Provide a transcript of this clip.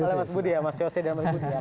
mas budi ya mas yose dan mas budi ya